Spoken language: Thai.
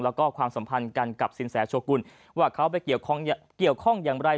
แล้วก็ความสัมพันธ์กันกับสินแสโชกุลว่าเขาไปเกี่ยวข้องอย่างไร